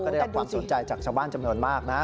ได้รับความสนใจจากชาวบ้านจำนวนมากนะ